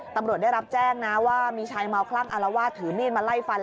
ตำรวจได้รับแจ้งนะว่ามีชายเมาคลั่งอารวาสถือมีดมาไล่ฟัน